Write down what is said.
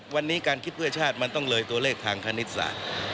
วันนี้การคิดเพื่อชาติมันต้องเลยตัวเลขทางคณิตศาสตร์